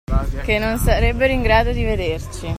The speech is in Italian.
Che non sarebbero in grado di vederci.